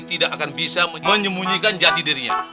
tidak akan bisa menyembunyikan jati dirinya